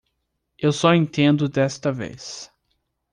Eu só entendo desta vez.